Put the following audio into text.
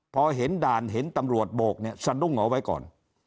พอเห็นด่านเห็นตำรวจโบกเนี่ยสะดุ้งเอาไว้ก่อน